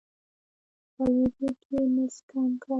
خپل وجود کې مس کم کړئ: